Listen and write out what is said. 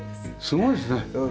すごいですね。